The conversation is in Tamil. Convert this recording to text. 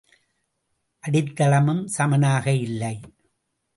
அடித்தளமும் சமனாக இல்லை.